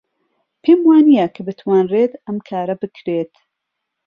پێم وانییە کە بتوانرێت ئەم کارە بکرێت.